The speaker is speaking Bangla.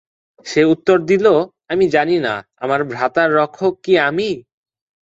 সে উত্তর দিল, আমি জানি না; আমার ভ্রাতার রক্ষক কি আমি?